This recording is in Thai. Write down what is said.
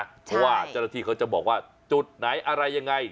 เพราะว่าเจ้าหน้าที่เขาจะบอกว่าจุดไหนอะไรยังไง